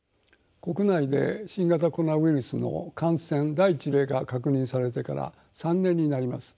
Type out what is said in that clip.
国内で新型コロナウイルスの感染第一例が確認されてから３年になります。